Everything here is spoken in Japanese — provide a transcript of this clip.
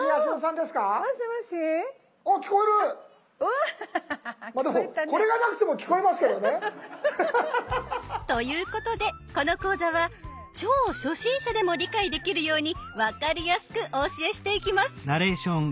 でもこれがなくても聞こえますけどね。ということでこの講座は超初心者でも理解できるように分かりやすくお教えしていきます。